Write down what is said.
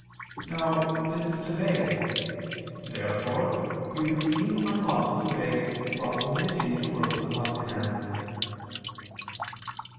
Now this is to beg. Therefore it would seem unlawful to beg while omitting to work with one's hands.